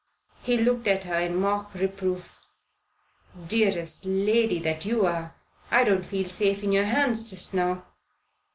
He looked at her in mock reproof. "Dearest lady that you are, I don't feel safe in your hands just now.